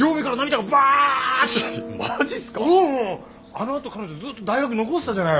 あのあと彼女ずっと大学残ってたじゃない。